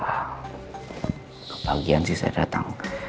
hah kebagian sih saya datang